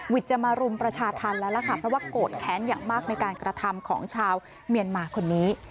จะมารุมประชาธรรมแล้วล่ะค่ะเพราะว่าโกรธแค้นอย่างมากในการกระทำของชาวเมียนมาคนนี้